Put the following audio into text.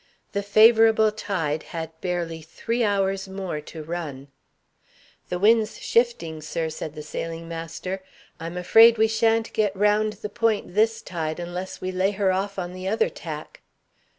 The favorable tide had barely three hours more to run. "The wind's shifting, sir," said the sailing master. "I'm afraid we shan't get round the point this tide, unless we lay her off on the other tack."